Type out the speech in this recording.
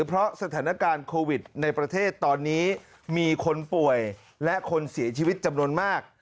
เพราะสถานการณ์โควิดในประเทศตอนนี้มีคนป่วยและคนเสียชีวิตจำนวนมาก